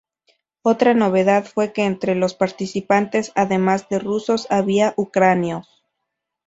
Otra novedad fue que entre los participantes además de rusos, había ucranianos.